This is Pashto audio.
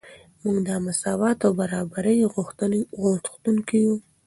موږ د مساوات او برابرۍ غوښتونکي یو.